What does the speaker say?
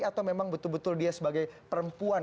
atau memang betul betul dia sebagai perempuan